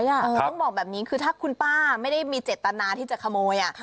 ต้องบอกแบบนี้คือถ้าคุณป้าไม่ได้มีเจตนาที่จะขโมย